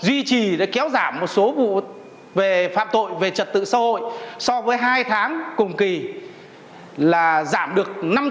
duy trì đã kéo giảm một số vụ về phạm tội về trật tự xã hội so với hai tháng cùng kỳ là giảm được năm trăm tám mươi năm